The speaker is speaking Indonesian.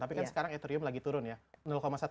tapi kan sekarang etherium lagi turun ya